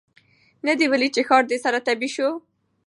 نه دي ولیده چي ښار دي سره تبۍ سو